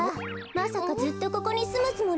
まさかずっとここにすむつもりなの？